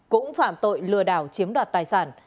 cũng phạm tội lừa đảo chiếm đoạt tài sản